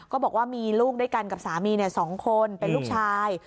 ก็บอกว่ามีลูกด้วยกันกับสามี๒คนเป็นลูกชาย